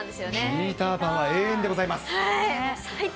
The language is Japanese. ピーター・パンは永遠でござ最高！